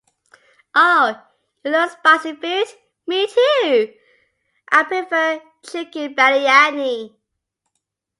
Oh, you love spicy food? Me too, I prefer chicken biryani.